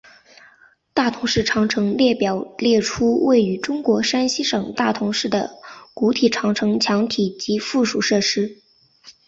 大同市长城列表列出位于中国山西省大同市的古代长城墙体及附属设施。